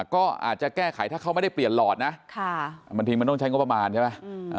ก็อาจจะแก้ไขถ้าเขาไม่ได้เปลี่ยนหลอดนะบางทีมันต้องใช้งบประมาณใช่ไหม